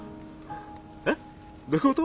えっ？どういうこと？